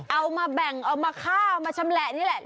เอามาแบ่งเอามาฆ่ามาชำแหละนี่แหละ